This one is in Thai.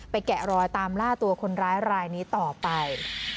แกะรอยตามล่าตัวคนร้ายรายนี้ต่อไป